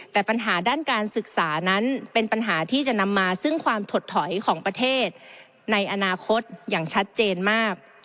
แต่ปัญหาด้านการศึกษานั้นเป็นปัญหาที่จะนำมาซึ่งความถดถอยของประเทศในอนาคตอย่างชัดเจนมาก